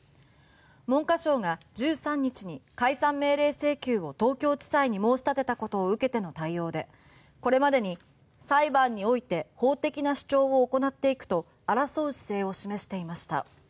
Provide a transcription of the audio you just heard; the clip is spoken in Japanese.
文科省が１３日に解散命令請求を東京地裁に申し立てたことを受けての対応でこれまでに、裁判において法的な主張を行っていくと争う姿勢を示していました。